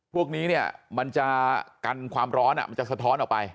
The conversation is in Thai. พวกนี้เนี่ยมันจะกันความร้อนมันจะสะท้อนออกไป